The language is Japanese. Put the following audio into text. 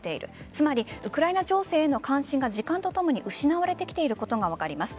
つまり、ウクライナ情勢の関心が時間とともに失われてきていることが分かります。